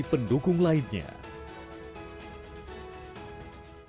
kedua pendukung tidak diperkenankan